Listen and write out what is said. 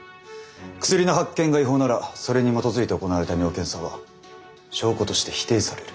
クスリの発見が違法ならそれに基づいて行われた尿検査は証拠として否定される。